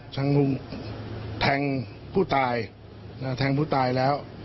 แทงผู้ตายแทงผู้ตายแล้ว